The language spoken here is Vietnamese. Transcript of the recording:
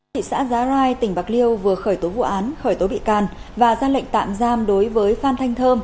thị xã giá rai tỉnh bạc liêu vừa khởi tố vụ án khởi tố bị can và ra lệnh tạm giam đối với phan thanh thơm